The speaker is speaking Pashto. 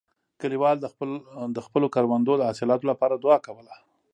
کلیوال د خپلو کروندو د حاصلاتو لپاره دعا کوله.